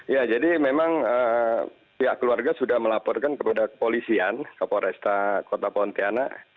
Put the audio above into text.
ya jadi memang pihak keluarga sudah melaporkan kepada kepolisian kapolresta kota pontianak